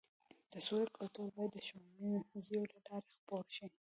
د سولې کلتور باید د ښوونځیو له لارې خپور شي.